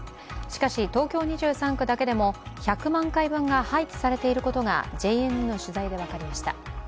しかし東京２３区だけでも１００万回分が廃棄されていることがＪＮＮの取材で分かりました。